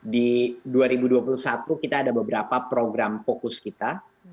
di dua ribu dua puluh satu kita ada beberapa program fokus kita